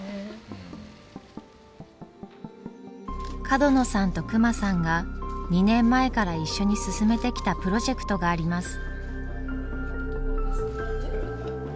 角野さんと隈さんが２年前から一緒に進めてきたプロジェクトがあります。